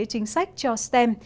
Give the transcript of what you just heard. chính sách cho stem